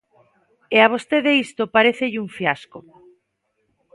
E a vostede isto parécelle un fiasco.